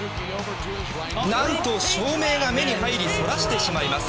何と、照明が目に入りそらしてしまいます。